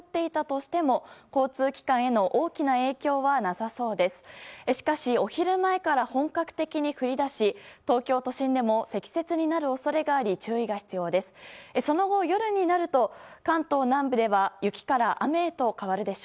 しかしお昼前から本格的に降り出し東京都心でも積雪になる恐れがあり注意が必要です。